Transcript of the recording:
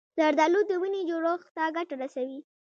زردالو د وینې جوړښت ته ګټه رسوي.